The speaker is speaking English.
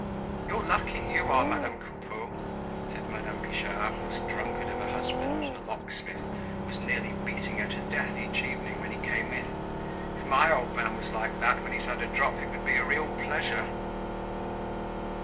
"You're lucky, you are, Madame Coupeau," said Madame Bijard, whose drunkard of a husband, a locksmith, was nearly beating her to death each evening when he came in. "If my old man was like that when he's had a drop, it would be a real pleasure!"